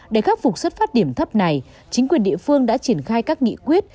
để khắc phục xuất phát điểm thấp này chính quyền địa phương đã triển khai các nghị quyết